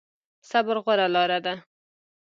صبر غوره لاره ده